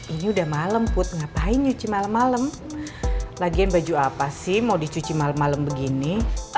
ini udah malem put ngapain nyuci malem malem lagian baju apa sih mau dicuci malem malem begini